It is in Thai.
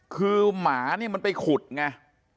คือหมานี่มันไปขุดไง